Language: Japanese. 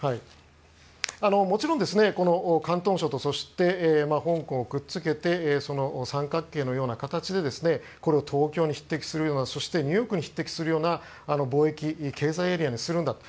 もちろん、広東省と香港をくっつけて三角形のような形で東京に匹敵するようなそしてニューヨークに匹敵するような貿易経済エリアにするんだと。